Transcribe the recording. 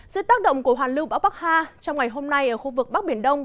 sức tác động của hoàn lưu bão bắc ha trong ngày hôm nay ở khu vực bắc biển đông